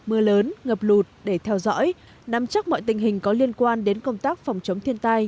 mưa lớn ngập lụt để theo dõi nắm chắc mọi tình hình có liên quan đến công tác phòng chống thiên tai